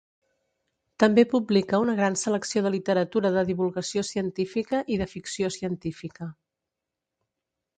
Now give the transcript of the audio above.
També publica una gran selecció de literatura de divulgació científica i de ficció científica.